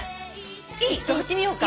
いってみようか。